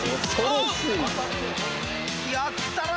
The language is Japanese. ［やったな！